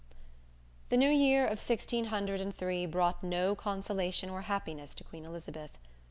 "_ The New Year of sixteen hundred and three brought no consolation or happiness to Queen Elizabeth.